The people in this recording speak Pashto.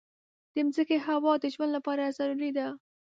د مځکې هوا د ژوند لپاره ضروري ده.